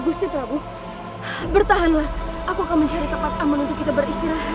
gusti prabu bertahanlah aku akan mencari tempat aman untuk kita beristirahat